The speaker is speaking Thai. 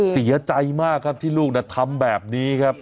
เสียใจมากครับที่ลูกทำแบบนี้ครับ